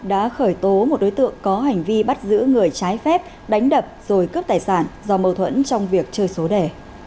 đã khởi tố một đối tượng có hành vi bắt giữ người trái phép đánh đập rồi cướp tài sản do mâu thuẫn trong việc chơi số đẻ